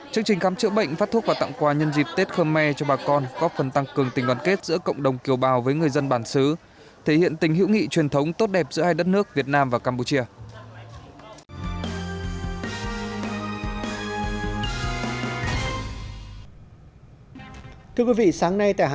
chương trình khám chữa bệnh phát thuốc và tặng quà nhân dịp tết khmer cho bà con góp phần tăng cường tình đoàn kết giữa cộng đồng kiều bào với người dân bản xứ thể hiện tình hữu nghị truyền thống tốt đẹp giữa hai đất nước việt nam và campuchia